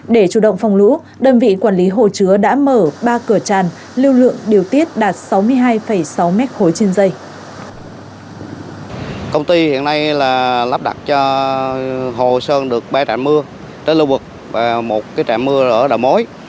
để chủ động phòng lũ đơn vị quản lý hồ chứa đã mở ba cửa tràn lưu lượng điều tiết đạt sáu mươi hai sáu mét khối trên dây